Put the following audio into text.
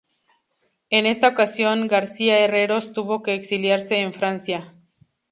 En esta ocasión, García-Herreros tuvo que exiliarse en Francia.